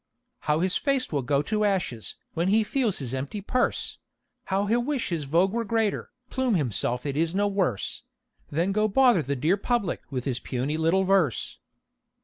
How his face will go to ashes, when he feels his empty purse! How he'll wish his vogue were greater; plume himself it is no worse; Then go bother the dear public with his puny little verse!